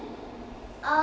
「あ」。